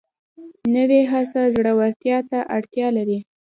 نوې هڅه زړورتیا ته اړتیا لري